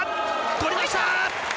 取りました！